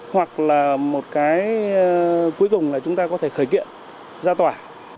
hoặc là một cái cuối cùng là chúng ta có thể khởi kiện ra tòa